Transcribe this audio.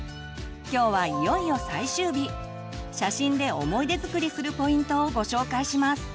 今日はいよいよ最終日写真で思い出づくりするポイントをご紹介します！